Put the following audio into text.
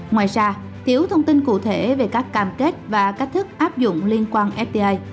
ngoài ra tiểu thông tin cụ thể về các cam kết và cách thức áp dụng liên quan fta